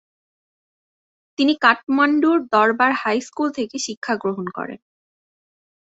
তিনি কাঠমান্ডুর দরবার high school থেকে শিক্ষা গ্রহণ করেন।